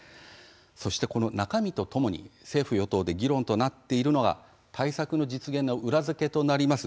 そして、この中身とともに政府与党内で議論となっているのが対策の実現の裏付けとなります